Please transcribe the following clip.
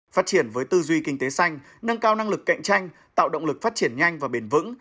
phát triển với tư duy kinh tế xanh nâng cao năng lực cạnh tranh tạo động lực phát triển nhanh và bền vững